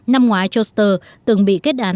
năm ngoái choster từng bị kết thúc